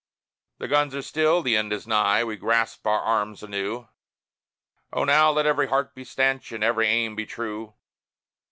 The guns are still: the end is nigh: we grasp our arms anew; O now let every heart be stanch and every aim be true!